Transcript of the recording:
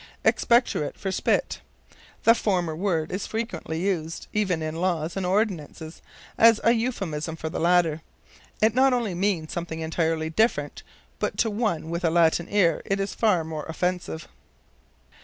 Expectorate for Spit. The former word is frequently used, even in laws and ordinances, as a euphemism for the latter. It not only means something entirely different, but to one with a Latin ear is far more offensive.